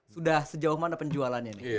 sudah sejauh mana penjualannya nih